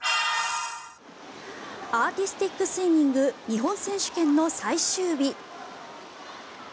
アーティスティックスイミング日本選手権の最終日。